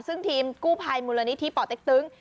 ซึ่งทีมกู้ภัยมูลนิธิป่อเต็กตึง